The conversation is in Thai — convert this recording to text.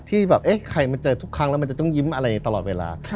ที่แบบเอ๊ะใครมาเจอทุกครั้งแล้วมันจะต้องยิ้มอะไรตลอดเวลา